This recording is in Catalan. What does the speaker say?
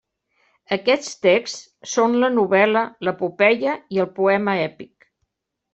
Aquests texts són la novel·la, l'epopeia i el poema èpic.